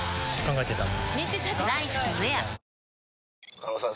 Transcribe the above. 狩野さん